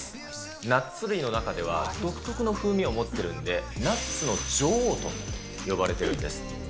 ナッツ類の中では、独特の風味を持っているんで、ナッツの女王と呼ばれているんです。